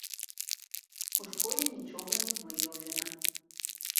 У школе нічога не выяўлена.